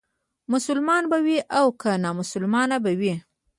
مسلمان به وي او که نامسلمان به وي.